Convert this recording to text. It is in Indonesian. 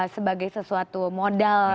sebagai sesuatu modal